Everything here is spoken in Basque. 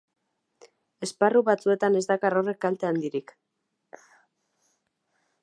Esparru batzuetan ez dakar horrek kalte handirik.